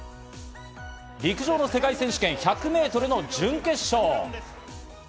陸上の世界選手権１００ｍの準決勝。